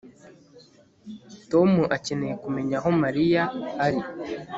Tom akeneye kumenya aho Mariya ari